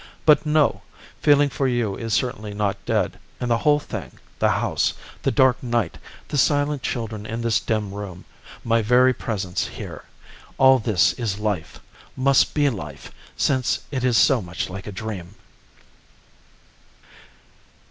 But no! feeling for you is certainly not dead, and the whole thing, the house, the dark night, the silent children in this dim room, my very presence here all this is life, must be life, since it is so much like a dream."